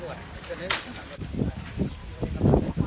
สวัสดีครับคุณผู้ชาย